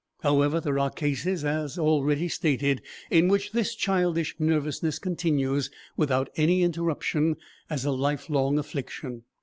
However, there are cases, as already stated, in which this childish nervousness continues, without any interruption, as a lifelong affliction.